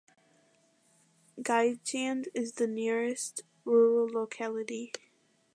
Gigant is the nearest rural locality.